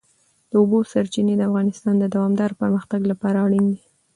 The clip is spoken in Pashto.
د اوبو سرچینې د افغانستان د دوامداره پرمختګ لپاره اړین دي.